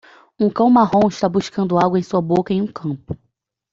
Um cão marrom está buscando algo em sua boca em um campo.